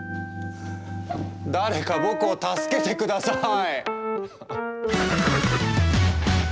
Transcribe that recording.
誰か僕を助けて下さい！